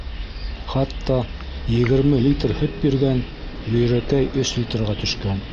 Хатта егерме литр һөт биргән Бөйрәкәй өс литрға төшкән.